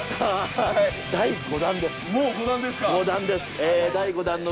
５弾です。